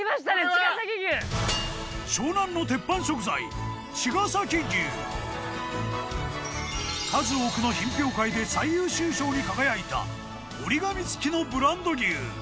ちがさき牛数多くの品評会で最優秀賞に輝いた折り紙付きのブランド牛